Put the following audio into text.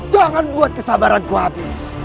jangan buat kesabaranku habis